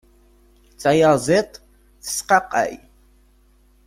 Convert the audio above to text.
Tayaziḍt tesqaqay.